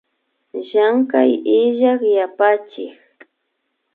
Llankay illak yapachik